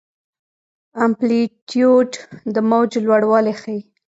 امپلیتیوډ د موج لوړوالی ښيي.